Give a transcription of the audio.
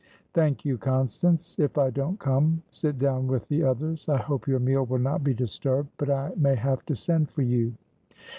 "Thank you, Constance. If I don't come, sit down with the others. I hope your meal will not be disturbed, but I may have to send for you."